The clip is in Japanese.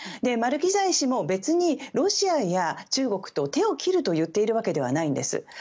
マルキザイ氏も別にロシアや中国と手を切ると言っているわけではないんです。